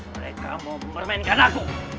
mereka mau mempermainkan aku